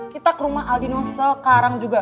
kita ke rumah aldino sekarang juga